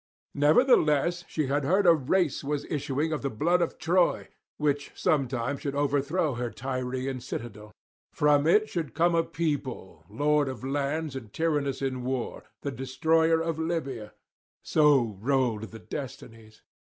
Nevertheless she had heard a race was issuing of the blood of [20 53]Troy, which sometime should overthrow her Tyrian citadel; from it should come a people, lord of lands and tyrannous in war, the destroyer of Libya: so rolled the destinies.